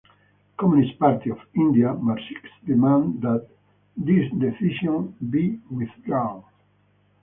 Communist Party of India Marxist demands that this decision be withdrawn.